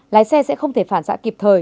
lái xe sẽ không thể phản xạ kịp thời